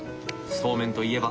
そうめんといえば。